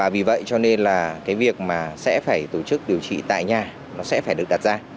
vì vậy việc sẽ phải tổ chức điều trị tại nhà sẽ phải được đặt ra